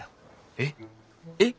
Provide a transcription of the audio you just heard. えっ？えっ！？